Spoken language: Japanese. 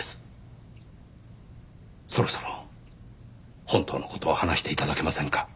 そろそろ本当の事を話して頂けませんか？